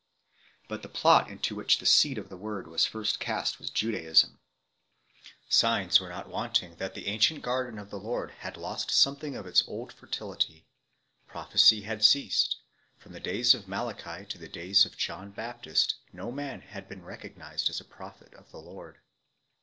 But the plot into which the seed of the Word was first cast was Judaism. Signs were not wanting that the ancient garden of the Lord had lost something of its old fertility ; prophecy had ceased ; from the days of Malachi to the days of John Baptist no man had been recognized as a prophet of the Lord.